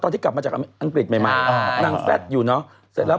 ที่กลับมาจากอังกฤษใหม่ใหม่อ่านางแฟดอยู่เนอะเสร็จแล้ว